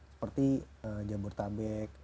seperti jambur tabe